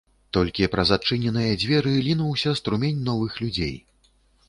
Толькі праз адчыненыя дзверы лінуўся струмень новых людзей.